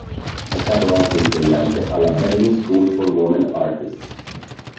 È stato anche insegnante alla Berlin School for Women Artists.